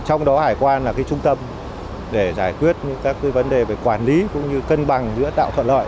trong đó hải quan là trung tâm để giải quyết những các vấn đề về quản lý cũng như cân bằng giữa tạo thuận lợi